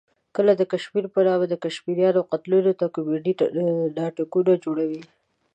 کله د کشمیر په نامه د کشمیریانو قتلونه کومیډي ناټکونه جوړوي.